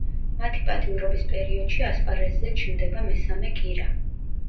მათი პატიმრობის პერიოდში ასპარეზზე ჩნდება მესამე კირა.